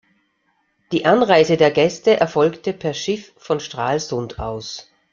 Die Anreise der Gäste erfolgte per Schiff von Stralsund aus.